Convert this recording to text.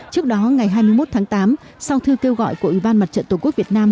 trước đó ngày hai mươi một tháng tám sau thư kêu gọi của ủy ban mặt trận tổ quốc việt nam